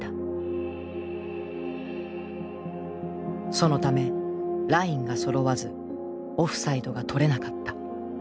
そのためラインがそろわずオフサイドがとれなかった。